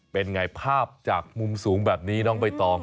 เป็นไงภาพจากมุมสูงแบบนี้น้องใบตอง